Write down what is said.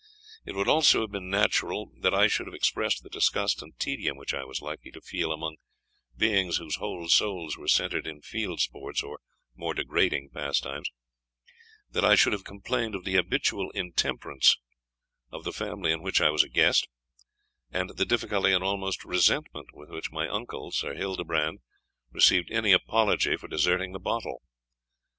It would also have been natural that I should have expressed the disgust and tedium which I was likely to feel among beings whose whole souls were centred in field sports or more degrading pastimes that I should have complained of the habitual intemperance of the family in which I was a guest, and the difficulty and almost resentment with which my uncle, Sir Hildebrand, received any apology for deserting the bottle.